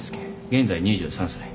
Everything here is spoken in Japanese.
現在２３歳。